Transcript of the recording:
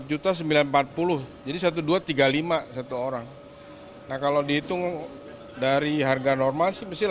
empat juta sembilan empat puluh jadi satu dua ratus tiga puluh lima satu orang nah kalau dihitung dari harga normal sih mesti delapan ratus